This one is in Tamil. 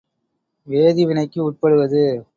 வேதி வினைக்கு உட்படுவது.